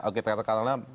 oke tata ruangnya